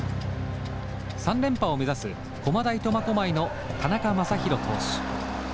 ３連覇を目指す駒大苫小牧の田中将大投手。